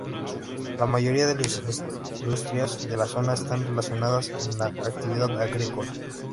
La mayoría de las industrias de la zona están relacionadas con la actividad agrícola.